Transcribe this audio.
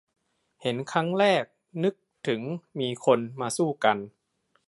เห็นครั้งแรกนึกถึงมีคนมาสู้กัน